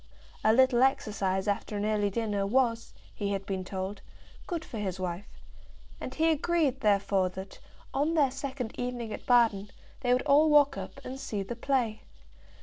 A little exercise after an early dinner was, he had been told, good for his wife; and he agreed therefore that, on their second evening at Baden, they would all walk up and see the play.